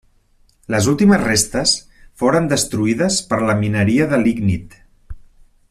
Les últimes restes foren destruïdes per la mineria de lignit.